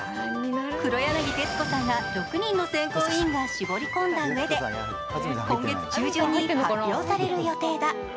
黒柳徹子さんら６人の選考委員が絞り込んだうえで今月中旬に発表される予定だ。